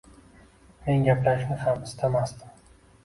Men gaplashishni ham istamasdim